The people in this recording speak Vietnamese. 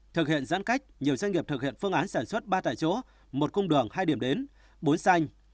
thực hiện giãn cách nhiều doanh nghiệp thực hiện phương án sản xuất ba tại chỗ một cung đường hai điểm đến bối xanh